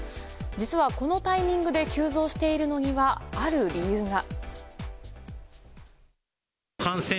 実はこのタイミングで急増しているのには、ある理由が。